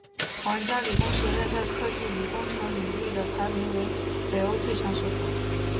皇家理工学院在科技与工程领域的排名为北欧最强学府。